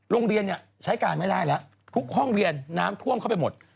โรงเรียนใช้การไม่ได้แล้วทุกห้องเรียนน้ำท่วมเข้าไปหมด